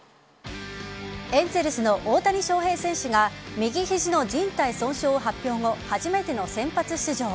エンゼルスの大谷翔平選手が右肘の靭帯損傷を発表後初めての先発出場。